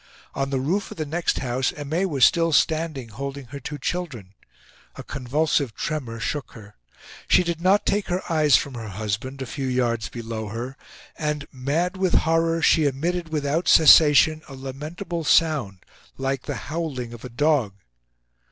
On the roof of the next house Aimee was still standing, holding her two children. A convulsive tremor shook her. She did not take her eyes from her husband, a few yards below her. And, mad with horror, she emitted without cessation a lamentable sound like the howling of a dog.